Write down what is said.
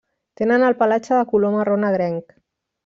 Tenen el pelatge de color marró negrenc.